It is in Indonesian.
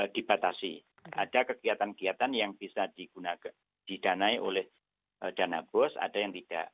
dibatasi ada kegiatan kegiatan yang bisa digunakan didanai oleh dana bos ada yang tidak